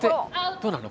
どうなるの？